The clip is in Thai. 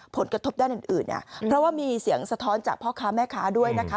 ผลกระทบด้านอื่นเนี่ยเพราะว่ามีเสียงสะท้อนจากพ่อค้าแม่ค้าด้วยนะคะ